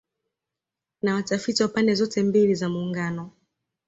na watafiti wa pande zote mbili za Muungano